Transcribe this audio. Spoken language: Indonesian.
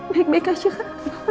baik baik aja kan